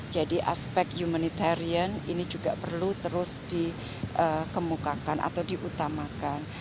jadi aspek humanitarian ini juga perlu terus dikemukakan atau diutamakan